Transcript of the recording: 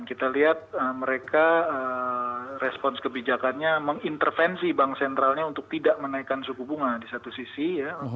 kita lihat mereka respons kebijakannya mengintervensi bank sentralnya untuk tidak menaikkan suku bunga di satu sisi ya